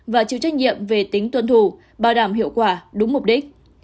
và chịu trách nhiệm về tính tuân thủ bảo đảm hiệu quả đúng mục đích